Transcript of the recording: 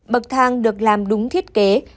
bậc thang được làm đúng thiết kế